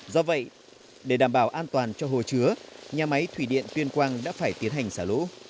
do vậy để đảm bảo an toàn cho hồ chứa nhà máy thủy điện tuyên quang đã phải tiến hành xả lũ